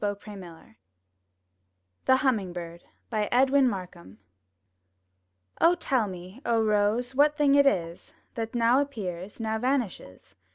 rCT X tLtV»UTli THE HUMMING BIRD* Edwin Markham Tell me, O Rose, what thing it is That now appears, now vanishes?